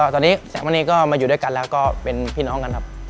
ตอนนี้แสงมณีก็มาอยู่ด้วยกันแล้วก็เป็นพี่น้องกันครับ